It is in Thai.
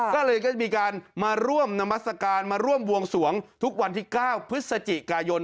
ก็เลยก็จะมีการมาร่วมนามัศกาลมาร่วมบวงสวงทุกวันที่๙พฤศจิกายน